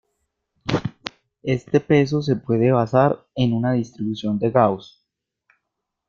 Este peso se puede basar en una distribución de Gauss.